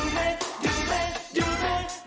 มีทั้ง๙